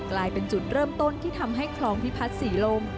กลายเป็นจุดเริ่มต้นที่ทำให้คลองพิพัฒน์ศรีลม